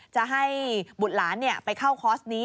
จะให้บุตรหลานไปเข้าคอร์สนี้